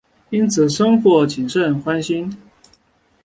因此深获景胜欢心。